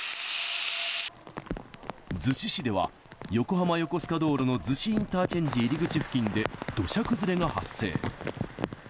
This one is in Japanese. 逗子市では、横浜横須賀道路の逗子インターチェンジ入り口付近で土砂崩れが発生。